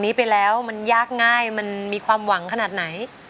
นี้ไปแล้วมันยากง่ายมันมีความหวังขนาดไหน